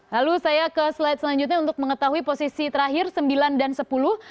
lalu saya ke slide selanjutnya untuk mengetahui posisi terakhir sembilan dan sepuluh